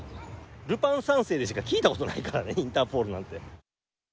ルパン三世でしか聞いたことないからね、インターポールなんて。